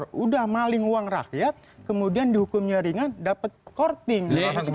sudah maling uang rakyat kemudian dihukumnya ringan dapat korting